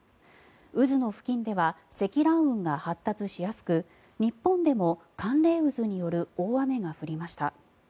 渦の付近では積乱雲が発達しやすく日本でも寒冷渦による大雨が降りました。